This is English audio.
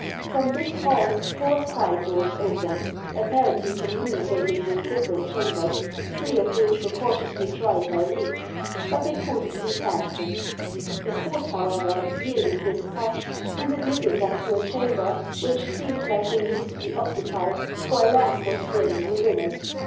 From this hall four side doors opened, apparently communicating with different chambers, three of which were cautiously tried by Reeks, but they proved to be fastened. The fourth, however, yielded to his touch, and admitted them to a chamber, which seemed to have been recently occupied, for a lamp was burning within it.